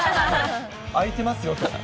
開いてますよと。